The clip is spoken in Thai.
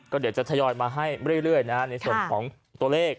ก็เดี๋ยวจะทยอยมาให้เรื่อยนะฮะในส่วนของตัวเลข